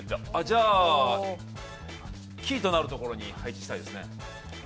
じゃ、キーとなるところに配置したいですね。